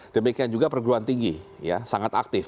demikian juga perguruan tinggi ya sangat aktif